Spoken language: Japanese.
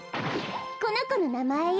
このこのなまえよ。